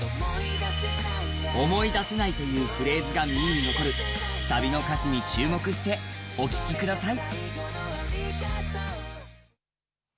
「思い出せない」というフレーズが耳に残るサビの歌詞に注目してお聴きください。